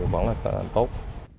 vẫn là tốt